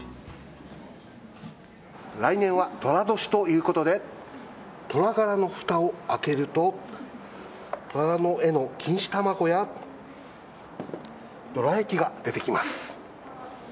来年はとら年ということで、虎柄のふたを開けると、虎の絵の錦糸卵や、どら焼きが出てきます。